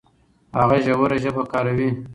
هغه ژوره ژبه کاروي.